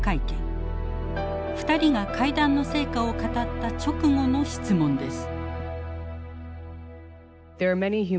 ２人が会談の成果を語った直後の質問です。